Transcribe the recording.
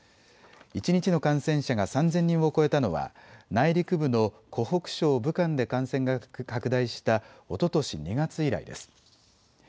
一日の感染者が３０００人を超えたのは内陸部の湖北省武漢で感染が拡大したおととし２月以来です。